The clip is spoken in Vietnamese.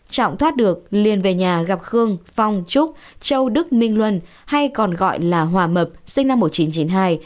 trọng thoát được liền về nhà gặp khương phong trúc châu đức minh luân hay còn gọi là hòa mập sinh năm một nghìn chín trăm chín mươi hai